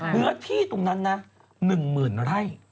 เนื้อที่ตรงนั้นนะ๑๐๐๐ไร่